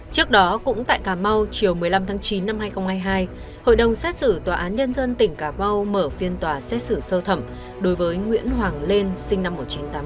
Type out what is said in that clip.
trước đó cũng tại cà mau chiều một mươi năm tháng chín năm hai nghìn hai mươi hai hội đồng xét xử tòa án nhân dân tỉnh cà mau mở phiên tòa xét xử sơ thẩm đối với nguyễn hoàng lên sinh năm một nghìn chín trăm tám mươi ba